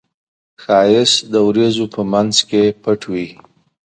ښایست د وریځو په منځ کې پټ وي